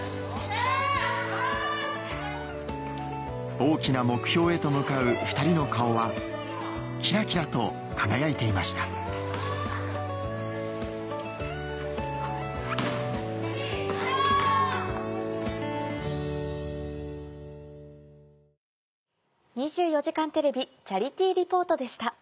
大きな目標へと向かう２人の顔はキラキラと輝いていました「２４時間テレビチャリティー・リポート」でした。